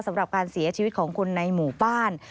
สำหรับการเสียชีวิตของคนในหมู่บ้าน